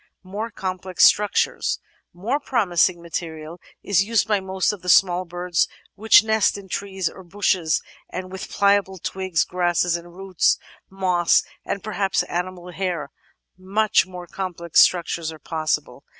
More Complex Structures More promising material is used by most of the small birds which nest in trees or bushes, and with pliable twigs, grasses and roots, moss, and perhaps animal hair, much more complex struc tures are possible.